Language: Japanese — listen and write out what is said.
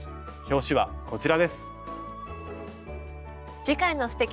表紙はこちらです。